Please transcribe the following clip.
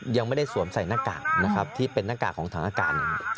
ยังไม่ได้สวมใส่หน้ากากนะครับที่เป็นหน้ากากของฐานอากาศ